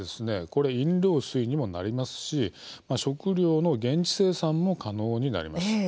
これ、飲料水にもなりますし食料の現地生産も可能になります。